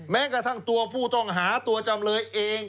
แม้กระทั่งตัวผู้ต้องหาตัวจำเลยเอง